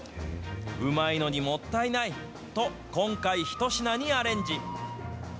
うまいのにもったいないと、今回、一品にアレンジ。